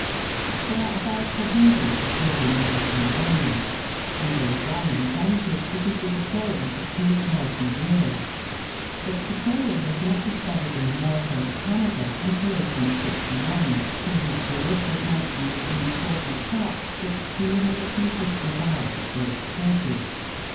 There are about a hundred petroleum wells in Burmah, and there is one in Zante which has been flowing for 2,000 years ; but petroleum was not discovered in America and Canada until 1861, in which year it was mentioned as an important fact that 250 barrels were exported.